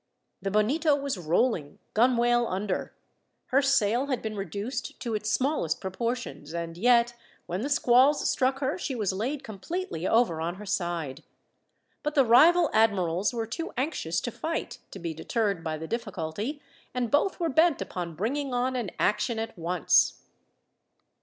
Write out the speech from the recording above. The Bonito was rolling, gunwale under. Her sail had been reduced to its smallest proportions, and yet, when the squalls struck her she was laid completely over on her side. But the rival admirals were too anxious to fight to be deterred by the difficulty, and both were bent upon bringing on an action at once.